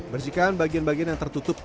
bersihkan bagian bagian yang tertutup